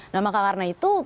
nah maka karena itu